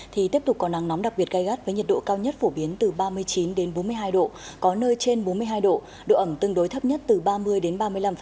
thì tiếp tục có nắng nóng đặc biệt gai gắt với nhiệt độ cao nhất phổ biến từ ba mươi chín đến bốn mươi hai độ có nơi trên bốn mươi hai độ độ ẩm tương đối thấp nhất từ ba mươi đến ba mươi năm